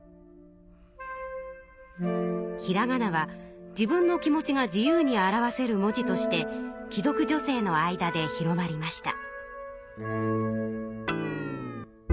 ひらがなは自分の気持ちが自由に表せる文字として貴族女性の間で広まりました。